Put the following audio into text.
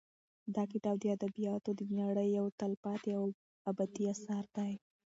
دا کتاب د ادبیاتو د نړۍ یو تلپاتې او ابدي اثر دی.